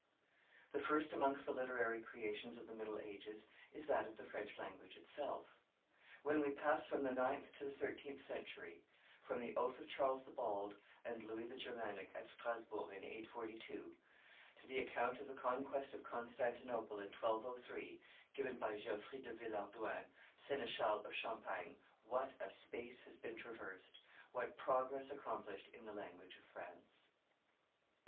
The first amongst the literary creations of the middle ages is that of the French language itself. When we pass from the ninth to the thirteenth century, from the oath of Charles the Bald and Louis the Germanic at Strasbourg, in 842, to the account of the conquest of Constantinople in 1203, given by Geoffrey de Villehardouin, seneschal of Champagne, what a space has been traversed, what progress accomplished in the language of France!